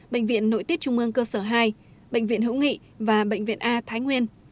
bệnh viện nội tiết trung ương cơ sở hai bệnh viện hữu nghị và bệnh viện a thái nguyên